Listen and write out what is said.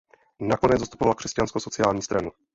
Nakonec zastupoval Křesťansko sociální stranu.